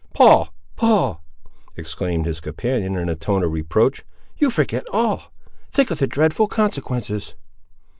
"Paul! Paul!" exclaimed his companion in a tone of reproach, "you forget all! Think of the dreadful consequences!"